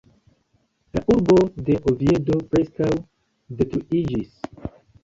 La urbo de Oviedo preskaŭ detruiĝis.